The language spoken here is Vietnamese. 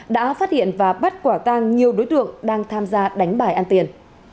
đã phát hiện và bắt quả tang nhiều đối tượng đang tham gia đánh bài ăn tiền